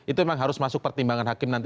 itu memang harus masuk pertimbangan hakim nanti